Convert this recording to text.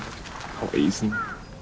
かわいいですね。